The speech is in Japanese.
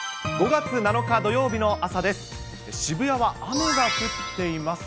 ５月７日土曜日の朝です。